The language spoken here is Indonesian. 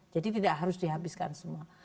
jadi tidak harus dihabiskan semua